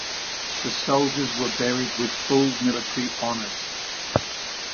The soldiers were buried with full military honours.